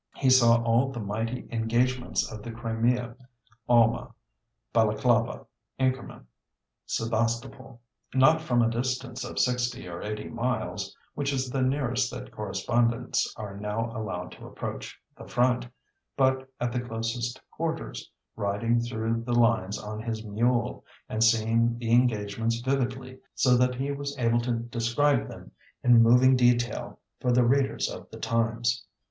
He saw all the mighty engagements of the Crimea Alma, Balaclava, Inkerman, Sebastopol not from a distance of 60 or 80 miles, which is the nearest that correspondents are now allowed to approach the front, but at the closest quarters, riding through the lines on his mule, and seeing the engagements vividly, so that he was able to describe them in moving detail for readers of the Times.